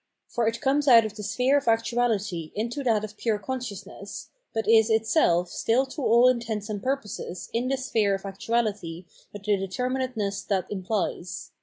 For it comes out of the sphere of actuality into that of pure consciousness, but is itself stiU to all intents and purposes in the sphere of actuality with the determinateness that implies.